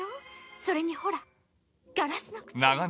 それにほら、ガラスの靴。